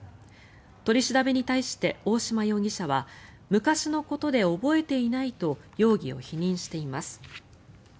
取り調べに対して大島容疑者は昔のことで覚えていないと容疑を否認しています。